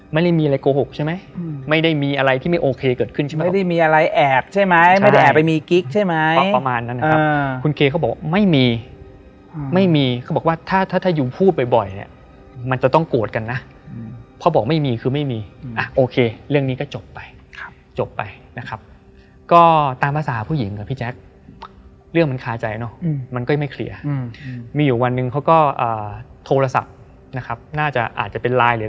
ไม่ได้มีอะไรแอบใช่ไหมไม่ได้แอบไปมีกิ๊กใช่ไหมประมาณนั้นนะครับคุณเคเขาบอกว่าไม่มีไม่มีเขาบอกว่าถ้าถ้าถ้ายูพูดบ่อยบ่อยเนี้ยมันจะต้องโกรธกันนะพอบอกไม่มีคือไม่มีอ่าโอเคเรื่องนี้ก็จบไปครับจบไปนะครับก็ตามภาษาผู้หญิงกับพี่แจ๊คเรื่องมันคาใจเนอะมันก็ยังไม่เคลียร์มีอยู่วันหนึ่งเขาก็อ่าโ